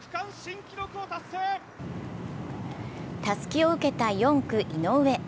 たすきを受けた４区・井上。